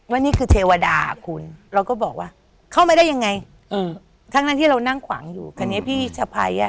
ไม่มีใครเข้าได้หรอกฉันนั่งขวางประตูอยู่